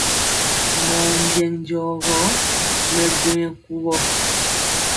Mɔɔ njɛŋ jɔ gɔ, mɛ gwo nyɛ kuvɔ.